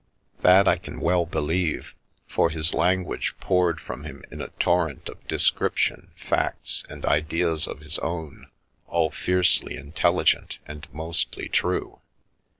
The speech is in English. That I can well believe, for his language poured from him in a torrent of description, facts, and ideas of his own, all fiercely intelligent and mostly true.